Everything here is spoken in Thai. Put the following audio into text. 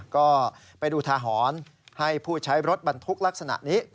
ก็ไปดูทาหรณ์ให้ผู้ใช้รถบรรทุกลักษณะนี้